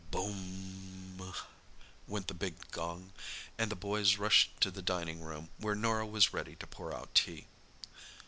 "Boom m m!" went the big gong, and the boys rushed to the dining room, where Norah was ready to pour out tea.